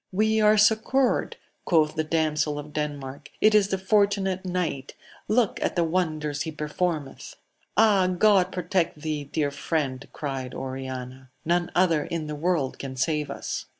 We are succoured ! quoth the damsel of Denmark : it is the fortunate knight ! look at the wonders he performeth ! Ah, God protect thee, dear friend ! cried Oriana : none other in the world can save us.